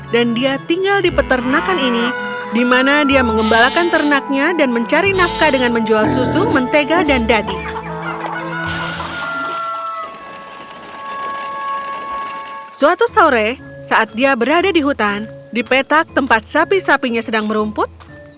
di petak tempat sapi sapinya sedang merumput